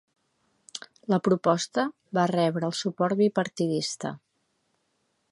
La proposta va rebre el suport bipartidista.